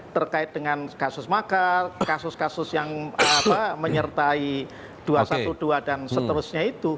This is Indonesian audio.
terkait dengan kasus makar kasus kasus yang menyertai dua ratus dua belas dan seterusnya itu